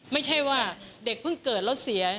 ไม่ใช่ว่าเด็กเพิ่งเกิดแล้วเสีย